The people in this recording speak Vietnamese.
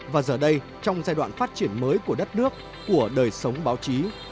và giờ đây trong giai đoạn phát triển mới của đất nước của đời sống báo chí